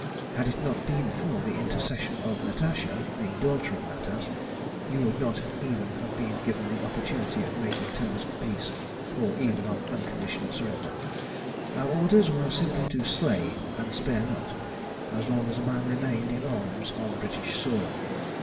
Had it not been for the intercession of Natasha, the daughter of Natas, you would not even have been given the opportunity of making terms of peace, or even of unconditional surrender. Our orders were simply to slay, and spare not, as long as a man remained in arms on British soil.